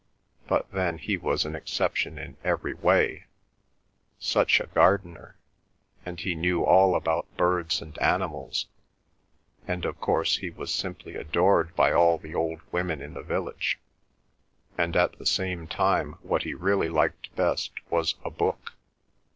But then he was an exception in every way—such a gardener, and he knew all about birds and animals, and of course he was simply adored by all the old women in the village, and at the same time what he really liked best was a book.